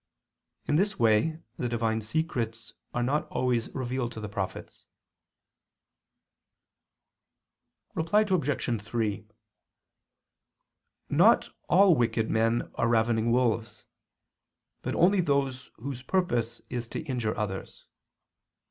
In this way the Divine secrets are not always revealed to prophets. Reply Obj. 3: Not all wicked men are ravening wolves, but only those whose purpose is to injure others.